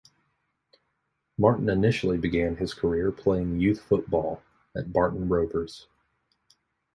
Martin initially began his career playing youth football at Barton Rovers.